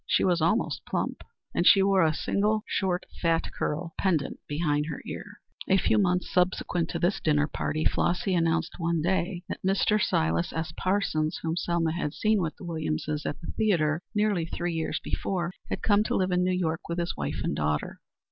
She was almost plump and she wore a single short fat curl pendent behind her ear. A few months subsequent to this dinner party Flossy announced one day that Mr. Silas S. Parsons, whom Selma had seen with the Williamses at the theatre nearly three years before, had come to live in New York with his wife and daughter.